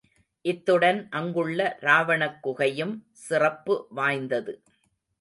இத்துடன் அங்குள்ள ராவணக் குகையும் சிறப்பு வாய்ந்தது.